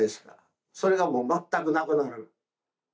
それがもう全くなくなる。